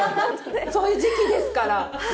そういう時期ですから。